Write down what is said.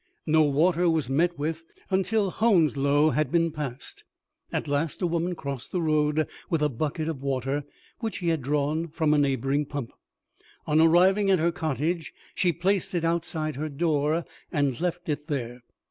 No water was met with until Hounslow had been passed. At last a woman crossed the road with a bucket of water, which she had drawn from a neighbouring pump. On arriving at her cottage she placed it outside her door, and left it there.